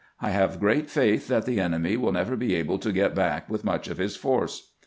I have great faith that the enemy will never be able to get back with much of his force."